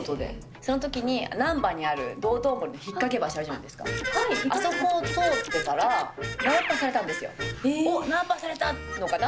そのときに難波にある道頓堀のひっかけ橋あるじゃないですか、あそこを通ってたら、ナンパされたんですよ、おっ、ナンパされたのかな？